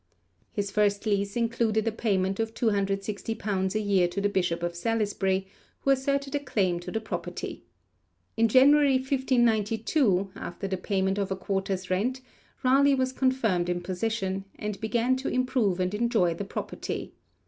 His first lease included a payment of 260_l._ a year to the Bishop of Salisbury, who asserted a claim to the property. In January 1592, after the payment of a quarter's rent, Raleigh was confirmed in possession, and began to improve and enjoy the property.